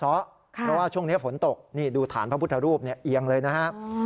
เพราะว่าช่วงนี้ฝนตกนี่ดูฐานพระพุทธรูปเอียงเลยนะครับ